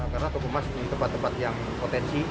karena toko emas ini tempat tempat yang potensi